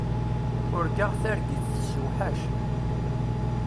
Urgaɣ targit tessewḥac.